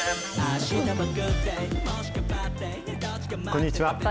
こんにちは。